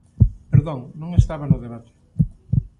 Perdón, non estaba no debate.